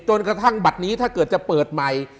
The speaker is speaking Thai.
กระทั่งบัตรนี้ถ้าเกิดจะเปิดใหม่